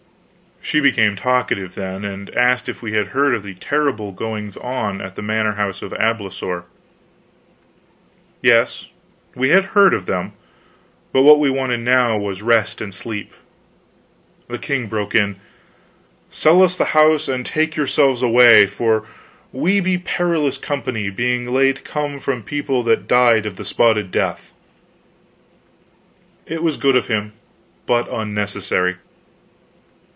She became talkative, then, and asked if we had heard of the terrible goings on at the manor house of Abblasoure. Yes, we had heard of them, but what we wanted now was rest and sleep. The king broke in: "Sell us the house and take yourselves away, for we be perilous company, being late come from people that died of the Spotted Death." It was good of him, but unnecessary.